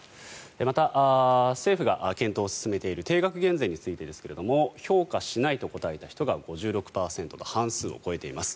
また、政府が検討を進めている定額減税についてですが評価しないと答えた人が５６％と半数を超えています。